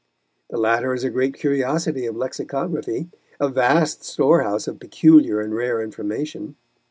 The latter is a great curiosity of lexicography, a vast storehouse of peculiar and rare information.